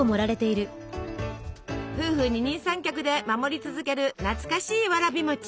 夫婦二人三脚で守り続ける懐かしいわらび餅。